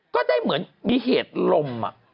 ก็ได้เหมือนมีเหตุลม